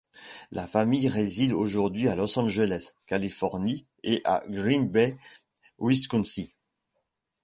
La famille réside aujourd'hui à Los Angeles, Californie, et à Green Bay, Wisconsin.